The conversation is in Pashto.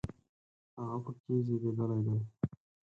هغه په کې زیږېدلی دی.